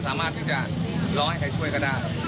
ก็สามารถฝึกจ่างร้องให้ใครช่วยก็ได้